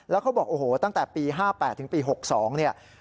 แล้วเขาบอกตั้งแต่ปี๕๘๖๒